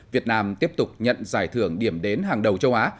việt nam tiếp tục nhận giải thưởng điểm đến hàng đầu châu á